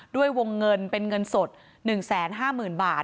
ด้วยวงเงินเป็นเงินสด๑๕๐๐๐บาท